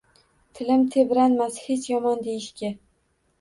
Tilim tebranmas hech yomon deyishga.